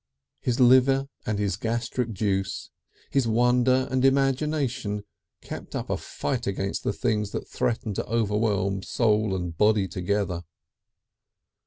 His liver and his gastric juice, his wonder and imagination kept up a fight against the things that threatened to overwhelm soul and body together.